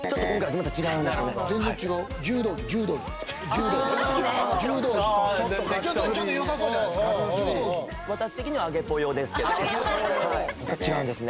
また違うんですね